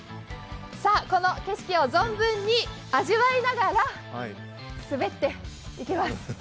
この景色を存分に味わいながら滑っていきます。